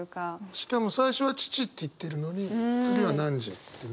しかも最初は「父」って言ってるのに次は「汝」ってね。